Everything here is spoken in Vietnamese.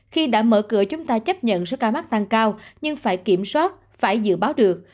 khi đã mở cửa chúng ta chấp nhận số ca mắc tăng cao nhưng phải kiểm soát phải dự báo được